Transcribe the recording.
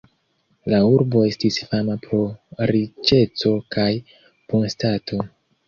La urbo estis fama pro riĉeco kaj bonstato.